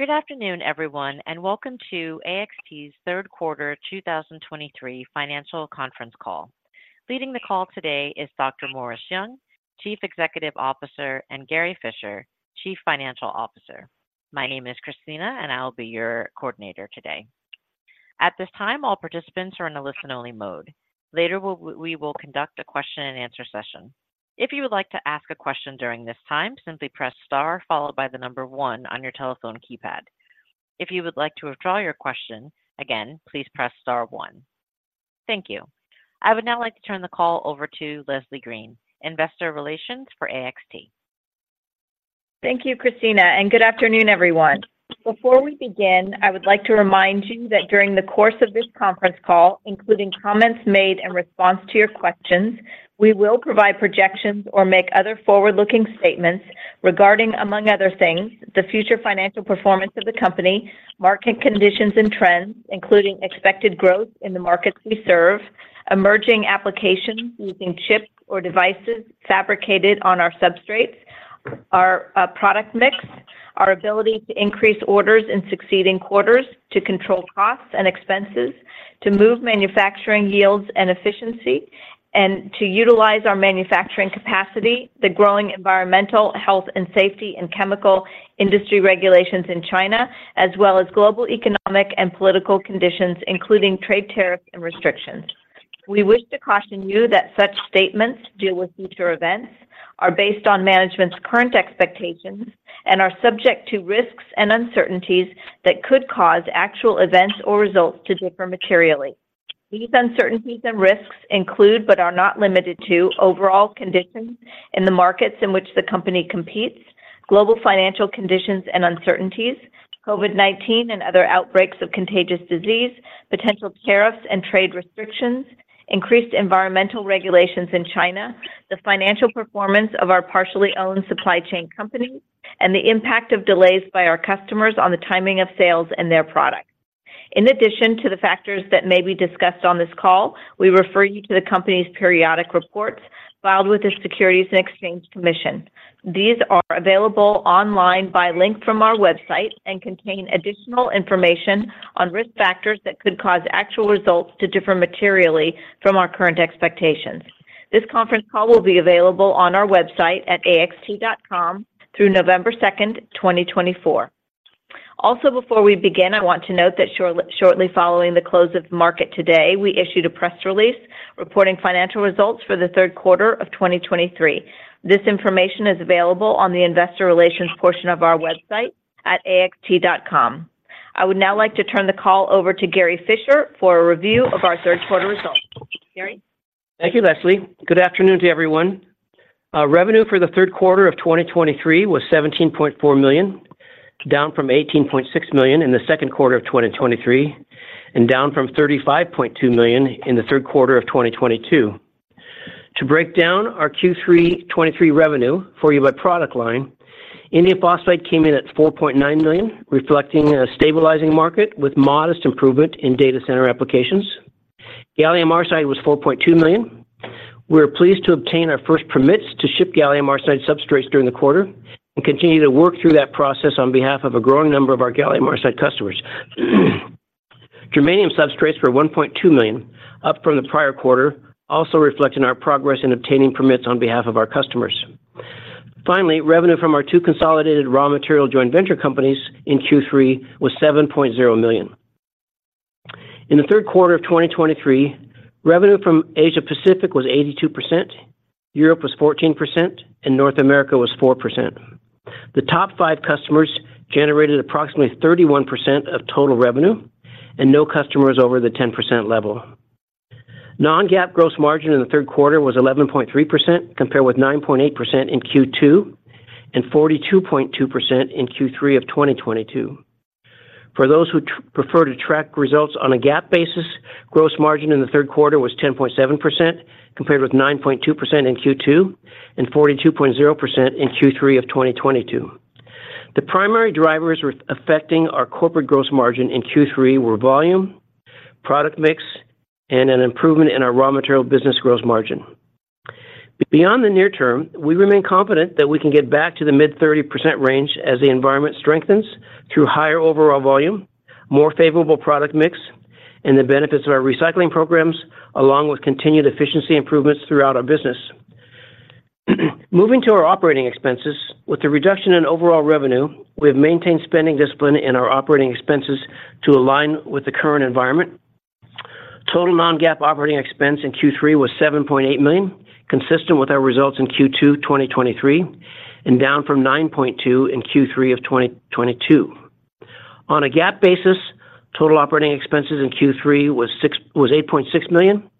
Good afternoon, everyone, and welcome to AXT's Third Quarter 2023 Financial Conference Call. Leading the call today is Dr. Morris Young, Chief Executive Officer, and Gary Fischer, Chief Financial Officer. My name is Christina, and I'll be your coordinator today. At this time, all participants are in a listen-only mode. Later, we will conduct a question-and-answer session. If you would like to ask a question during this time, simply press star followed by the number one on your telephone keypad. If you would like to withdraw your question, again, please press star one. Thank you. I would now like to turn the call over to Leslie Green, Investor Relations for AXT. Thank you, Christina, and good afternoon, everyone. Before we begin, I would like to remind you that during the course of this conference call, including comments made in response to your questions, we will provide projections or make other forward-looking statements regarding, among other things, the future financial performance of the company, market conditions and trends, including expected growth in the markets we serve, emerging applications using chips or devices fabricated on our substrates, our product mix, our ability to increase orders in succeeding quarters, to control costs and expenses, to move manufacturing yields and efficiency, and to utilize our manufacturing capacity, the growing environmental, health and safety, and chemical industry regulations in China, as well as global, economic, and political conditions, including trade tariffs and restrictions. We wish to caution you that such statements deal with future events, are based on management's current expectations, and are subject to risks and uncertainties that could cause actual events or results to differ materially. These uncertainties and risks include, but are not limited to, overall conditions in the markets in which the company competes, global financial conditions and uncertainties, COVID-19 and other outbreaks of contagious disease, potential tariffs and trade restrictions, increased environmental regulations in China, the financial performance of our partially owned supply chain company, and the impact of delays by our customers on the timing of sales and their products. In addition to the factors that may be discussed on this call, we refer you to the company's periodic reports filed with the Securities and Exchange Commission. These are available online by link from our website and contain additional information on risk factors that could cause actual results to differ materially from our current expectations. This conference call will be available on our website at axt.com through November 2nd, 2024. Also, before we begin, I want to note that shortly following the close of the market today, we issued a press release reporting financial results for the third quarter of 2023. This information is available on the investor relations portion of our website at axt.com. I would now like to turn the call over to Gary Fischer for a review of our third quarter results. Gary? Thank you, Leslie. Good afternoon to everyone. Revenue for the third quarter of 2023 was $17.4 million, down from $18.6 million in the second quarter of 2023, and down from $35.2 million in the third quarter of 2022. To break down our Q3 2023 revenue for you by product line, indium phosphide came in at $4.9 million, reflecting a stabilizing market with modest improvement in data center applications. gallium arsenide was $4.2 million. We were pleased to obtain our first permits to ship gallium arsenide substrates during the quarter and continue to work through that process on behalf of a growing number of our gallium arsenide customers. Germanium substrates were $1.2 million, up from the prior quarter, also reflecting our progress in obtaining permits on behalf of our customers. Finally, revenue from our two consolidated raw material joint venture companies in Q3 was $7.0 million. In the third quarter of 2023, revenue from Asia Pacific was 82%, Europe was 14%, and North America was 4%. The top five customers generated approximately 31% of total revenue, and no customer is over the 10% level. Non-GAAP gross margin in the third quarter was 11.3%, compared with 9.8% in Q2 and 42.2% in Q3 of 2022. For those who prefer to track results on a GAAP basis, gross margin in the third quarter was 10.7%, compared with 9.2% in Q2 and 42.0% in Q3 of 2022. The primary drivers affecting our corporate gross margin in Q3 were volume, product mix, and an improvement in our raw material business gross margin. Beyond the near term, we remain confident that we can get back to the mid-30% range as the environment strengthens through higher overall volume, more favorable product mix, and the benefits of our recycling programs, along with continued efficiency improvements throughout our business. Moving to our operating expenses, with the reduction in overall revenue, we have maintained spending discipline in our operating expenses to align with the current environment. Total non-GAAP operating expense in Q3 was $7.8 million, consistent with our results in Q2 2023, and down from $9.2 million in Q3 of 2022. On a GAAP basis, total operating expenses in Q3 was $8.6 million,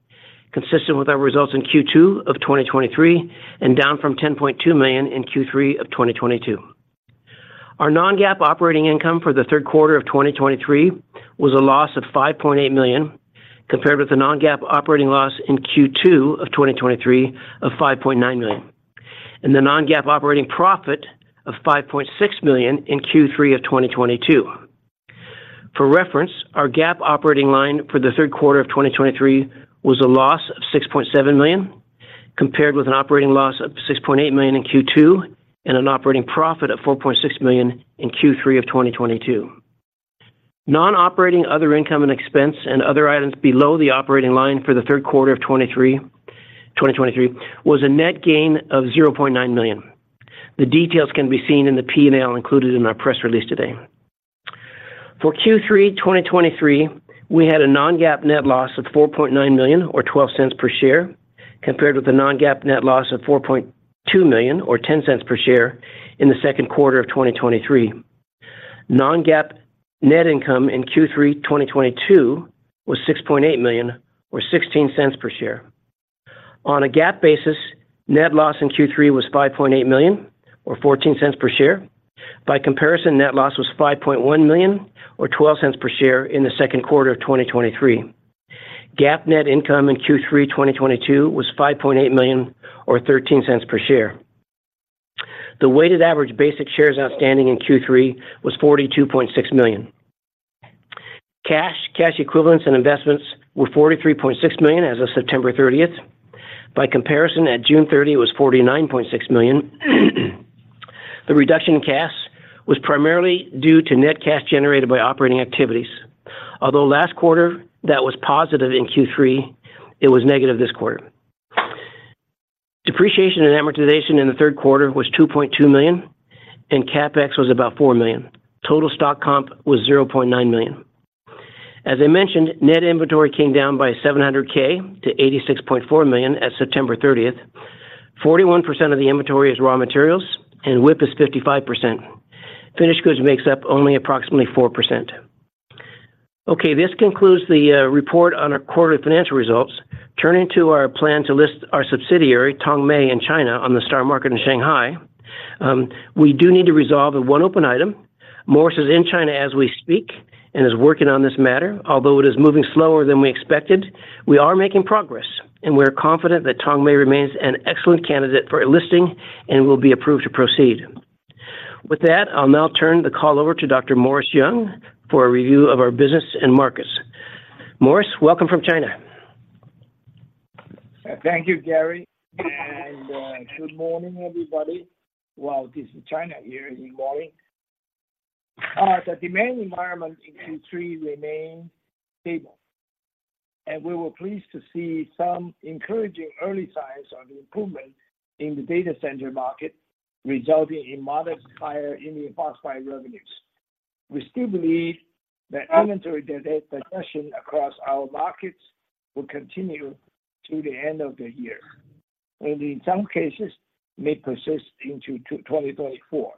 consistent with our results in Q2 of 2023 and down from $10.2 million in Q3 of 2022. Our non-GAAP operating income for the third quarter of 2023 was a loss of $5.8 million, compared with the non-GAAP operating loss in Q2 of 2023 of $5.9 million, and the non-GAAP operating profit of $5.6 million in Q3 of 2022.... For reference, our GAAP operating loss for the third quarter of 2023 was a loss of $6.7 million, compared with an operating loss of $6.8 million in Q2, and an operating profit of $4.6 million in Q3 of 2022. Non-operating other income and expense and other items below the operating line for the third quarter of 2023 was a net gain of $0.9 million. The details can be seen in the P&L included in our press release today. For Q3 2023, we had a non-GAAP net loss of $4.9 million or $0.12 per share, compared with a non-GAAP net loss of $4.2 million or $0.10 per share in the second quarter of 2023. Non-GAAP net income in Q3 2022 was $6.8 million or $0.16 per share. On a GAAP basis, net loss in Q3 was $5.8 million or $0.14 per share. By comparison, net loss was $5.1 million or $0.12 per share in the second quarter of 2023. GAAP net income in Q3 2022 was $5.8 million or $0.13 per share. The weighted average basic shares outstanding in Q3 was 42.6 million. Cash, cash equivalents, and investments were $43.6 million as of September 30th. By comparison, at June 30, it was $49.6 million. The reduction in cash was primarily due to net cash generated by operating activities. Although last quarter, that was positive in Q3, it was negative this quarter. Depreciation and amortization in the third quarter was $2.2 million, and CapEx was about $4 million. Total stock comp was $0.9 million. As I mentioned, net inventory came down by $700,000 to $86.4 million at September 30th. 41% of the inventory is raw materials, and WIP is 55%. Finished goods makes up only approximately 4%. Okay, this concludes the report on our quarterly financial results. Turning to our plan to list our subsidiary, Tongmei in China, on the STAR Market in Shanghai. We do need to resolve one open item. Morris is in China as we speak and is working on this matter. Although it is moving slower than we expected, we are making progress, and we're confident that Tongmei remains an excellent candidate for a listing and will be approved to proceed. With that, I'll now turn the call over to Dr. Morris Young for a review of our business and markets. Morris, welcome from China. Thank you, Gary, and good morning, everybody. Well, this is China here in the morning. The demand environment in Q3 remained stable, and we were pleased to see some encouraging early signs of improvement in the data center market, resulting in modest higher indium phosphide revenues. We still believe that inventory digestion across our markets will continue to the end of the year, and in some cases, may persist into 2024.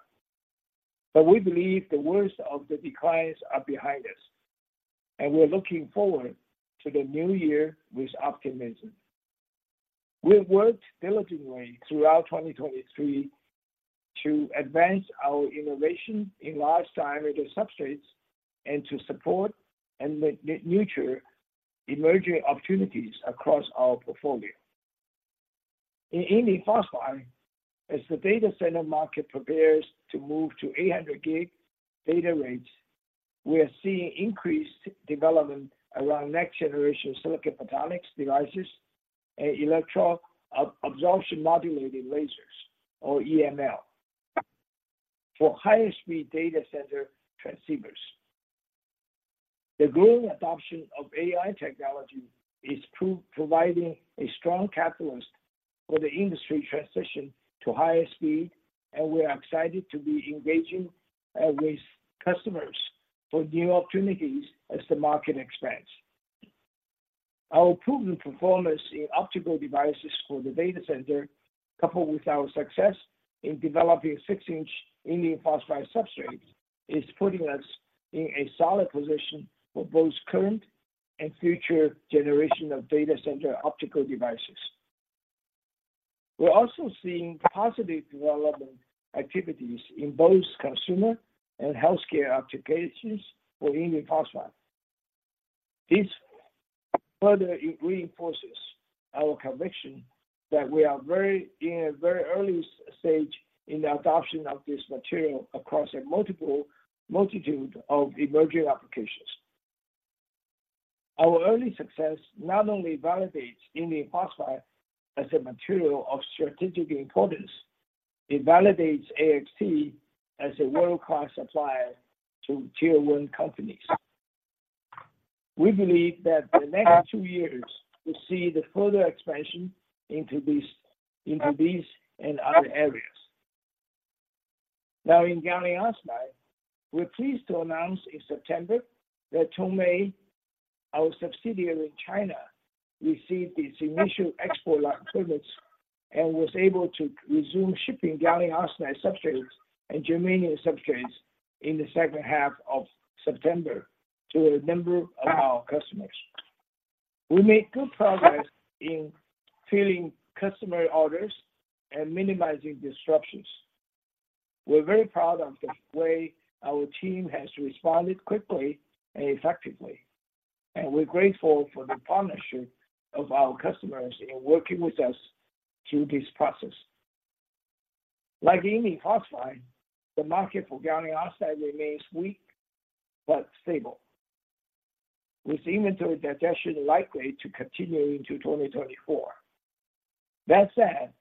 But we believe the worst of the declines are behind us, and we're looking forward to the new year with optimism. We've worked diligently throughout 2023 to advance our innovation in large diameter substrates and to support and nurture emerging opportunities across our portfolio. In indium phosphide, as the data center market prepares to move to 800 gig data rates, we are seeing increased development around next-generation silicon photonics devices and electro-absorption modulated lasers, or EML, for higher speed data center transceivers. The growing adoption of AI technology is providing a strong catalyst for the industry transition to higher speed, and we are excited to be engaging with customers for new opportunities as the market expands. Our proven performance in optical devices for the data center, coupled with our success in developing 6-inch indium phosphide substrates, is putting us in a solid position for both current and future generation of data center optical devices. We're also seeing positive development activities in both consumer and healthcare applications for indium phosphide. This further reinforces our conviction that we are in a very early stage in the adoption of this material across a multitude of emerging applications. Our early success not only validates indium phosphide as a material of strategic importance, it validates AXT as a world-class supplier to tier one companies. We believe that the next two years will see the further expansion into these and other areas. Now, in gallium arsenide, we're pleased to announce in September that Tongmei, our subsidiary in China, received its initial export license and was able to resume shipping gallium arsenide substrates and germanium substrates in the second half of September to a number of our customers. We made good progress in filling customer orders and minimizing disruptions. We're very proud of the way our team has responded quickly and effectively, and we're grateful for the partnership of our customers in working with us through this process... Like indium phosphide, the market for gallium oxide remains weak but stable, with inventory digestion likely to continue into 2024. That said,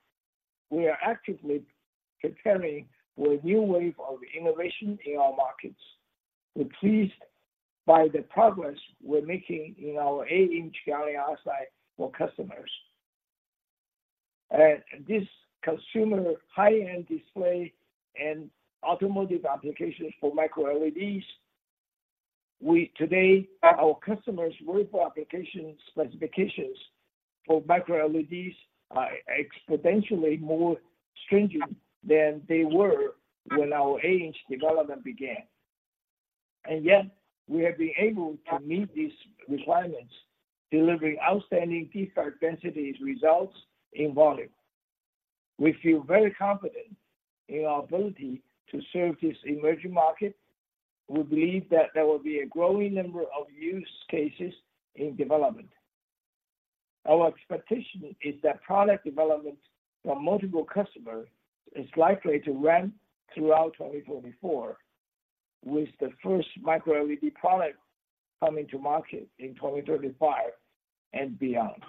we are actively preparing for a new wave of innovation in our markets. We're pleased by the progress we're making in our eight-inch gallium oxide for customers. And this consumer high-end display and automotive applications for microLEDs, we today, our customers' wafer application specifications for microLEDs are exponentially more stringent than they were when our eight-inch development began. And yet, we have been able to meet these requirements, delivering outstanding piece part densities results in volume. We feel very confident in our ability to serve this emerging market. We believe that there will be a growing number of use cases in development. Our expectation is that product development from multiple customers is likely to run throughout 2024, with the first micro-LED product coming to market in 2025 and beyond.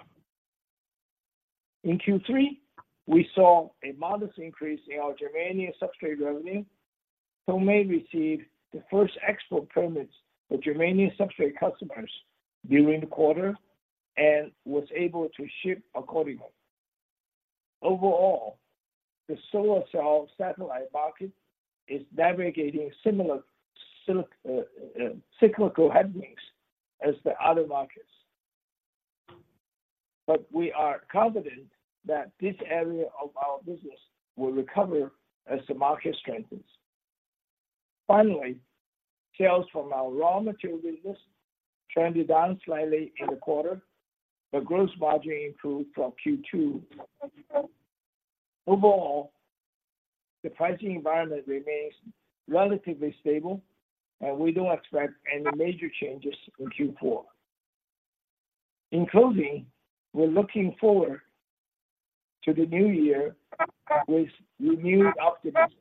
In Q3, we saw a modest increase in our germanium substrate revenue. Tongmei received the first export permits for germanium substrate customers during the quarter and was able to ship accordingly. Overall, the solar cell satellite market is navigating similar cyclical headwinds as the other markets. But we are confident that this area of our business will recover as the market strengthens. Finally, sales from our raw material business trended down slightly in the quarter, but gross margin improved from Q2. Overall, the pricing environment remains relatively stable, and we don't expect any major changes in Q4. In closing, we're looking forward to the new year with renewed optimism.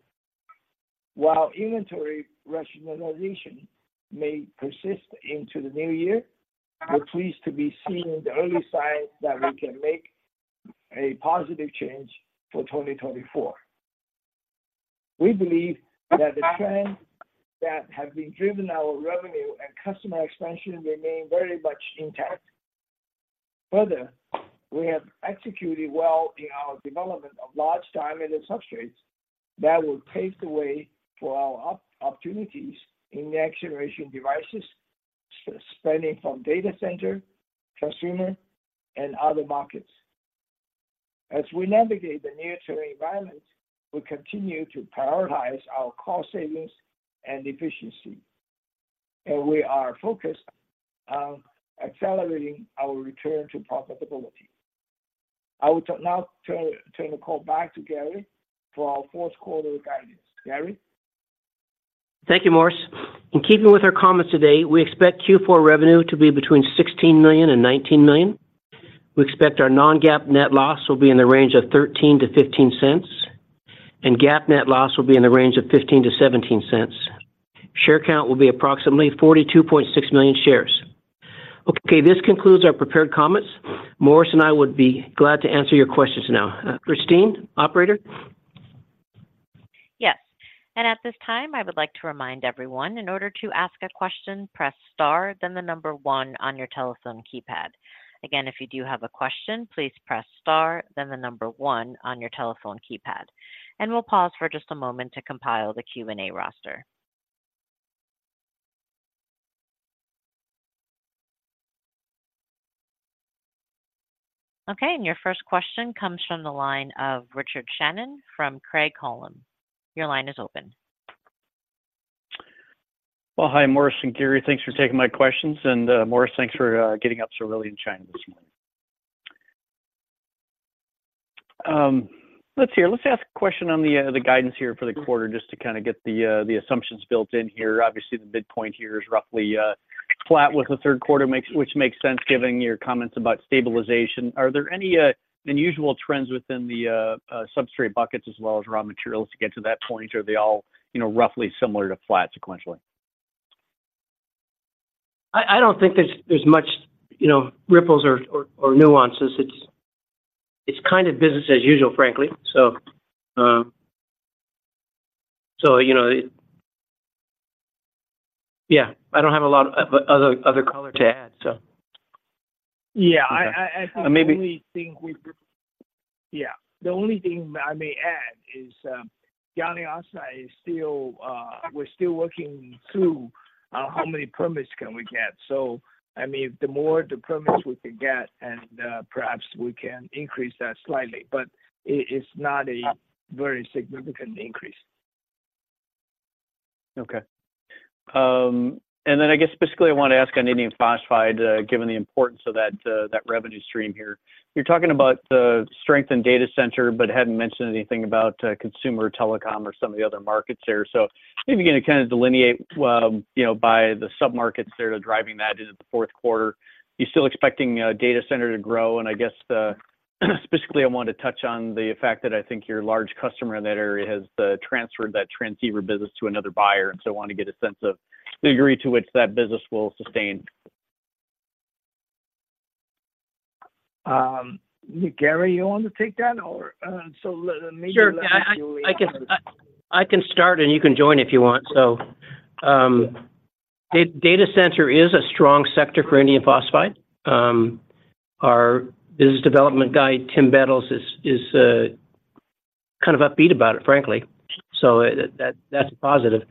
While inventory rationalization may persist into the new year, we're pleased to be seeing the early signs that we can make a positive change for 2024. We believe that the trends that have been driving our revenue and customer expansion remain very much intact. Further, we have executed well in our development of large diameter substrates that will pave the way for our opportunities in the next generation devices, spanning from data center, consumer, and other markets. As we navigate the near-term environment, we continue to prioritize our cost savings and efficiency, and we are focused on accelerating our return to profitability. I will now turn the call back to Gary for our fourth quarter guidance. Gary? Thank you, Morris. In keeping with our comments today, we expect Q4 revenue to be between $16 million and $19 million. We expect our non-GAAP net loss will be in the range of $0.13-$0.15, and GAAP net loss will be in the range of $0.15-$0.17. Share count will be approximately 42.6 million shares. Okay, this concludes our prepared comments. Morris and I would be glad to answer your questions now. Christina, operator? Yes, and at this time, I would like to remind everyone, in order to ask a question, press star, then the number one on your telephone keypad. Again, if you do have a question, please press star, then the number one on your telephone keypad, and we'll pause for just a moment to compile the Q&A roster. Okay, and your first question comes from the line of Richard Shannon from Craig-Hallum. Your line is open. Well, hi, Morris and Gary. Thanks for taking my questions, and Morris, thanks for getting up so early in China this morning. Let's ask a question on the guidance here for the quarter, just to kind of get the assumptions built in here. Obviously, the midpoint here is roughly flat with the third quarter, which makes sense, given your comments about stabilization. Are there any unusual trends within the substrate buckets as well as raw materials to get to that point? Or are they all, you know, roughly similar to flat sequentially? I don't think there's much, you know, ripples or nuances. It's kind of business as usual, frankly. So, you know, yeah, I don't have a lot of other color to add, so. Yeah. Okay. I, I, I- Maybe- The only thing I may add is, gallium arsenide is still, we're still working through how many permits can we get. So, I mean, the more the permits we can get, and perhaps we can increase that slightly, but it is not a very significant increase. Okay. And then I guess basically I want to ask on indium phosphide, given the importance of that, that revenue stream here. You're talking about the strength in data center, but hadn't mentioned anything about, consumer telecom or some of the other markets there. So maybe you can kind of delineate, you know, by the submarkets there that are driving that into the fourth quarter. You're still expecting, data center to grow, and I guess specifically, I want to touch on the fact that I think your large customer in that area has, transferred that transceiver business to another buyer, and so I want to get a sense of the degree to which that business will sustain. Gary, you want to take that, or, so let, maybe- Sure, I can start, and you can join if you want. So, data center is a strong sector for indium phosphide. Our business development guy, Tim Battles, is kind of upbeat about it, frankly, so, that's a positive.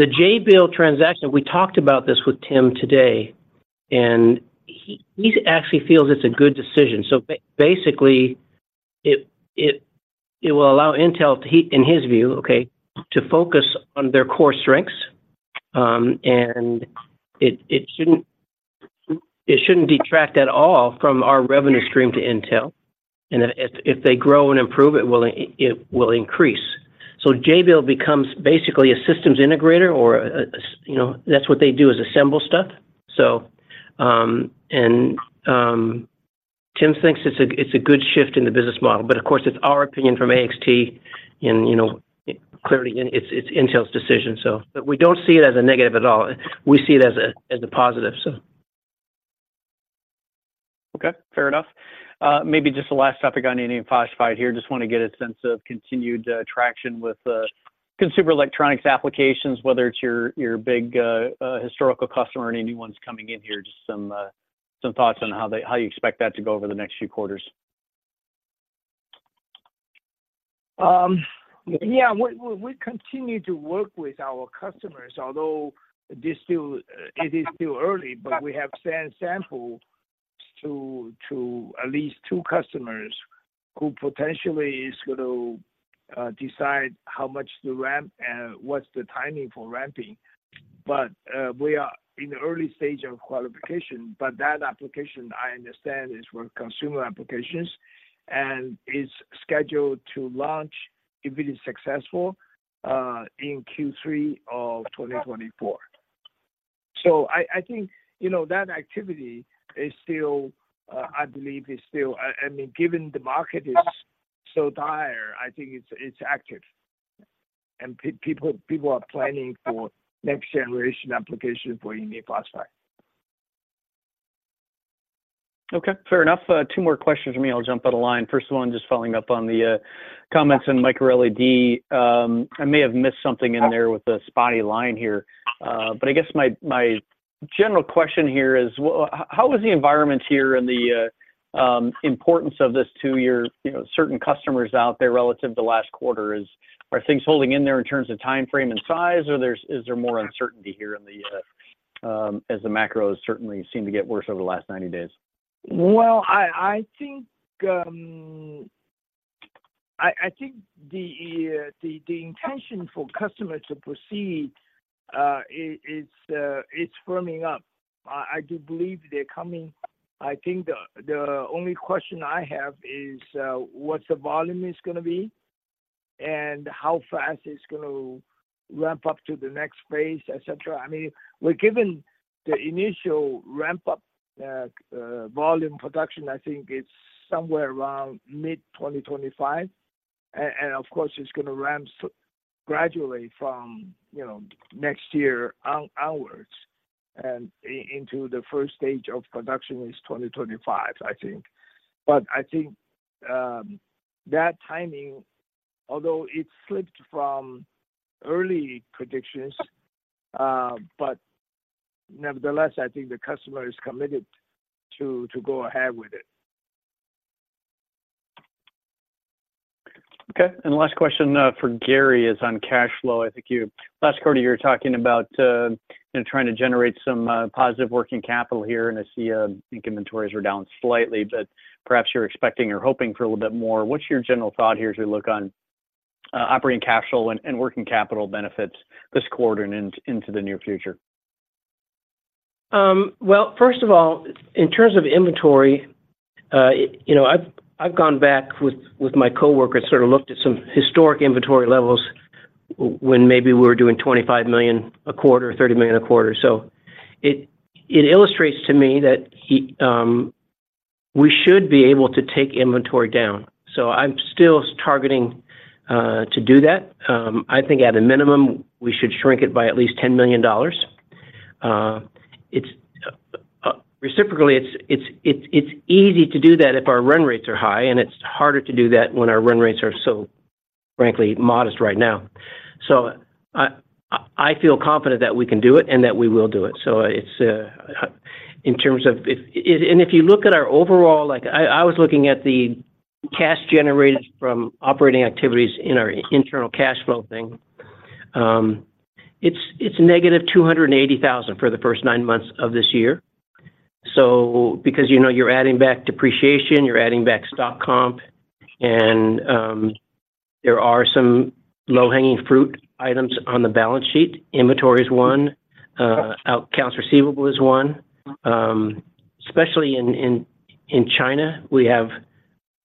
The Jabil transaction, we talked about this with Tim today, and he actually feels it's a good decision. So basically, it will allow Intel, in his view, okay, to focus on their core strengths. And it shouldn't detract at all from our revenue stream to Intel, and if they grow and improve, it will increase. So Jabil becomes basically a systems integrator or a, you know, that's what they do, is assemble stuff. So, Tim thinks it's a good shift in the business model, but of course, it's our opinion from AXT and, you know, clearly, it's Intel's decision, so. But we don't see it as a negative at all. We see it as a positive, so. Okay, fair enough. Maybe just the last topic on indium phosphide here. Just want to get a sense of continued traction with consumer electronics applications, whether it's your big historical customer or any new ones coming in here. Just some thoughts on how they, how you expect that to go over the next few quarters? Yeah, we continue to work with our customers, although this still, it is still early, but we have sent samples to at least two customers who potentially is going to decide how much to ramp and what's the timing for ramping. But, we are in the early stage of qualification, but that application, I understand, is for consumer applications, and it's scheduled to launch, if it is successful, in Q3 of 2024. So I think, you know, that activity is still, I believe, is still. I mean, given the market is so dire, I think it's active, and people are planning for next generation application for indium phosphide. Okay, fair enough. Two more questions for me, I'll jump out of line. First of all, I'm just following up on the comments on micro-LED. I may have missed something in there with the spotty line here, but I guess my general question here is, how is the environment here and the importance of this to your, you know, certain customers out there relative to last quarter? Are things holding in there in terms of timeframe and size, or is there more uncertainty here in the as the macros certainly seem to get worse over the last 90 days? Well, I think the intention for customers to proceed, it's firming up. I do believe they're coming. I think the only question I have is, what's the volume is gonna be, and how fast it's going to ramp up to the next phase, et cetera. I mean, we're given the initial ramp-up volume production, I think it's somewhere around mid-2025. And of course, it's gonna ramp gradually from, you know, next year onwards, and into the first stage of production is 2025, I think. But I think that timing, although it slipped from early predictions, but nevertheless, I think the customer is committed to go ahead with it. Okay, and last question for Gary is on cash flow. I think you, last quarter you were talking about, you know, trying to generate some positive working capital here, and I see, I think inventories are down slightly, but perhaps you're expecting or hoping for a little bit more. What's your general thought here as you look on operating capital and working capital benefits this quarter and into the near future? Well, first of all, in terms of inventory, you know, I've gone back with my coworkers, sort of looked at some historic inventory levels when maybe we were doing $25 million a quarter, $30 million a quarter. So it illustrates to me that we should be able to take inventory down. So I'm still targeting to do that. I think at a minimum, we should shrink it by at least $10 million. It's reciprocally, it's easy to do that if our run rates are high, and it's harder to do that when our run rates are so frankly modest right now. So I feel confident that we can do it and that we will do it. So it's in terms of... If and if you look at our overall, like I, I was looking at the cash generated from operating activities in our internal cash flow thing. It's negative $280,000 for the first nine months of this year. So because, you know, you're adding back depreciation, you're adding back stock comp, and there are some low-hanging fruit items on the balance sheet. Inventory is one, accounts receivable is one. Especially in China, we have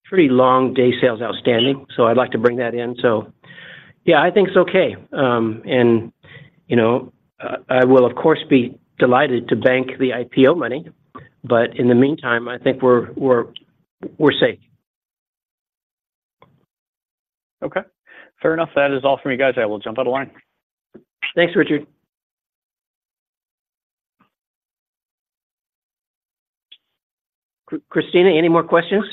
pretty long day sales outstanding, so I'd like to bring that in. So yeah, I think it's okay. And, you know, I will, of course, be delighted to bank the IPO money, but in the meantime, I think we're safe. Okay, fair enough. That is all from you guys. I will jump out of line. Thanks, Richard. Christina, any more questions?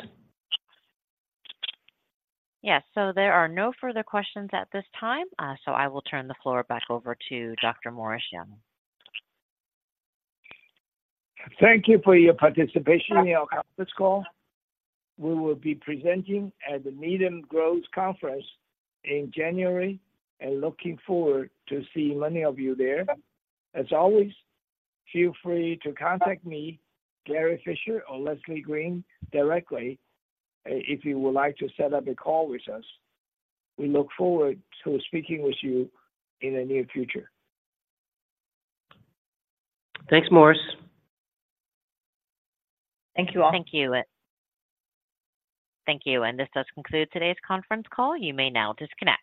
Yes, so there are no further questions at this time, so I will turn the floor back over to Dr. Morris Young. Thank you for your participation in our conference call. We will be presenting at the Needham Growth Conference in January, and looking forward to seeing many of you there. As always, feel free to contact me, Gary Fischer, or Leslie Green directly, if you would like to set up a call with us. We look forward to speaking with you in the near future. Thanks, Morris. Thank you, all. Thank you. Thank you, and this does conclude today's conference call. You may now disconnect.